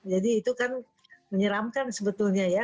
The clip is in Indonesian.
jadi itu kan menyeramkan sebetulnya ya